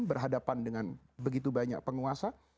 berhadapan dengan begitu banyak penguasa